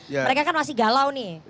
mereka kan masih galau nih